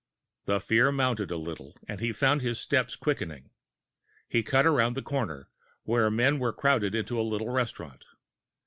The fear mounted a little, and he found his steps quickening. He cut around the corner, where men were crowded into a little restaurant.